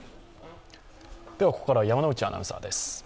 ここからは山内アナウンサーです。